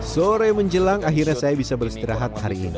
sore menjelang akhirnya saya bisa beristirahat hari ini